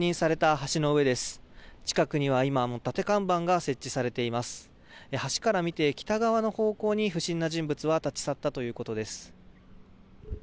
橋から見て北側の方向に不審な人物は立ち去ったということです。